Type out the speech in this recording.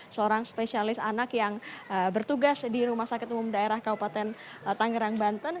seorang spesialis anak yang bertugas di rumah sakit umum daerah kabupaten tangerang banten